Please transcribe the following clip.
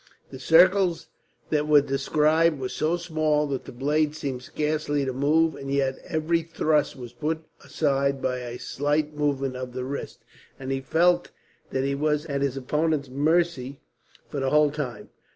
The circles that were described were so small that the blade seemed scarcely to move; and yet every thrust was put aside by a slight movement of the wrist, and he felt that he was at his opponent's mercy the whole time.